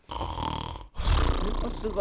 それもすごいね。